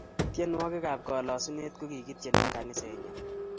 Tienwokik ab kalasunet kokikitien eng kaniset nyon